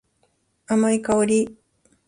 甘い香り。